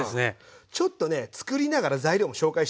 ちょっとねつくりながら材料も紹介していきたいと思います。